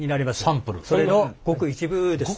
それのごく一部です。